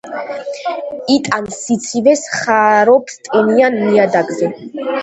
იტანს სიცივეს, ხარობს ტენიან ნიადაგზე.